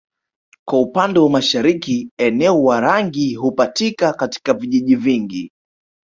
Kwa upande wa mashariki eneo Warangi hupatika katika vijiji vingi